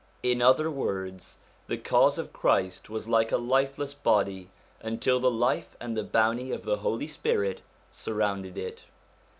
In other words, the Cause of Christ was like a lifeless body, until the life and the bounty of the Holy Spirit surrounded it.